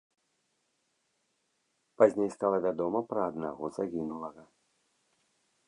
Пазней стала вядома пра аднаго загінулага.